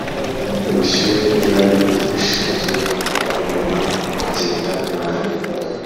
ubushyuhe bwari bushinzwe inyama kugenda nabi